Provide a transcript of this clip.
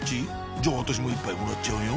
じゃあ私も１杯もらっちゃうよ